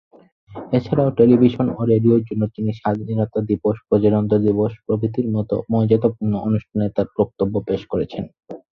এছাড়াও টেলিভিশন ও রেডিওর জন্য তিনি স্বাধীনতা দিবস, প্রজাতন্ত্র দিবস প্রভৃতির মতো মর্যাদাপূর্ণ অনুষ্ঠানে তাঁর বক্তব্য পেশ করেছেন।